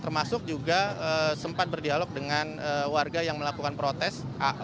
termasuk juga sempat berdialog dengan warga yang melakukan protes